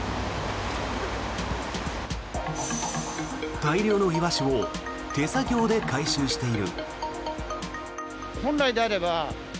大量のイワシを手作業で回収している。